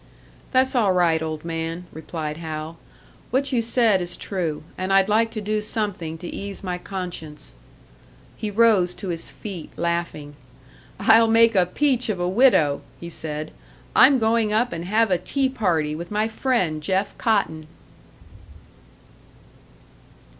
"That's all right, old man," replied Hal. "What you said is true, and I'd like to do something to ease my conscience." He rose to his feet, laughing. "I'll make a peach of a widow!" he said. "I'm going up and have a tea party with my friend Jeff Cotton!"